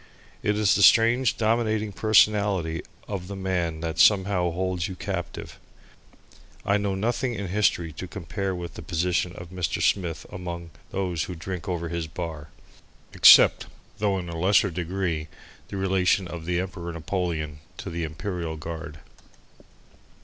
It is the strange dominating personality of the man that somehow holds you captive. I know nothing in history to compare with the position of Mr. Smith among those who drink over his bar, except, though in a lesser degree, the relation of the Emperor Napoleon to the Imperial Guard.